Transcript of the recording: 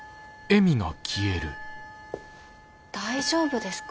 大丈夫ですか？